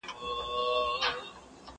دلته هلته له خانانو سره جوړ وو